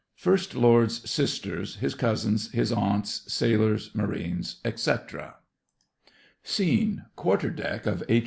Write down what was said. First Lord's Sisters, his Cousins, his Aunts, Sailors, Marines, etc. Scene: QUARTER DECK OF H.